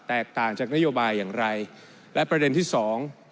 ต่างจากนโยบายอย่างไรและประเด็นที่สอง